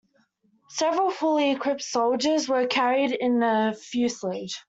Several fully equipped soldiers were carried in the fuselage.